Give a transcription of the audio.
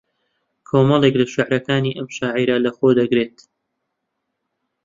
کۆمەڵێک لە شێعرەکانی ئەم شاعێرە لە خۆی دەگرێت